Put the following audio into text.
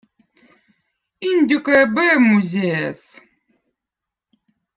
ind̕ukkõ eb õõ muzejõz